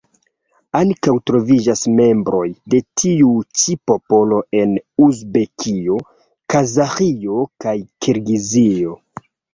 Ankaŭ troviĝas membroj de tiu ĉi popolo en Uzbekio, Kazaĥio kaj Kirgizio.